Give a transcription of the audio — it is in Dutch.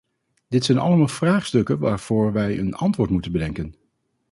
Dit zijn allemaal vraagstukken waarvoor wij een antwoord moeten bedenken.